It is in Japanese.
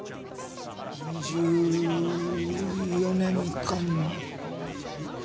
２４年間も。